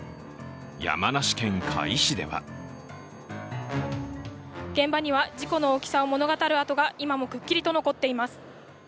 山梨県甲斐市では現場には事故の大きさを物語る跡が今もくっきりと残っています。